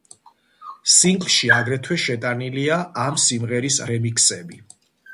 სინგლში აგრეთვე შეტანილია ამ სიმღერის რემიქსები.